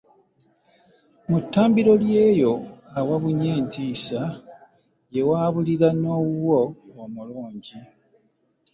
Mu ttambiro lye eyo ewabunye entiisa, ye waabulira n’owuwo omulungi.